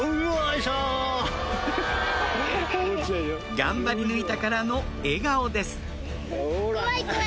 頑張り抜いたからの笑顔ですほら。